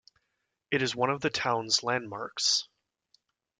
It is one of the town's landmarks.